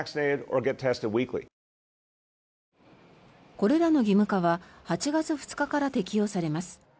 これらの義務化は８月２日から適用されます。